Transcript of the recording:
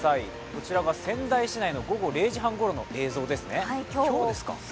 こちらが仙台市内の午後０時半ごろの映像ですね、今日ですか。